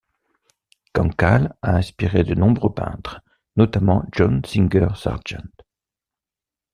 Cancale a inspiré de nombreux peintres, notamment John Singer Sargent.